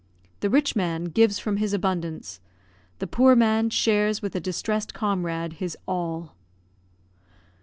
The rich man gives from his abundance; the poor man shares with a distressed comrade his all.